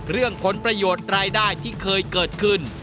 เรื่องผลประโยชน์รายได้ที่เคยเกิดขึ้น